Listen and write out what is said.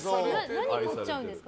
何買っちゃうんですか？